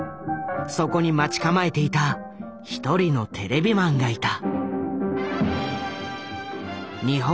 そこに待ち構えていた１人のテレビマンがいた。